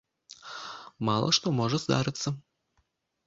Мала што можа здарыцца.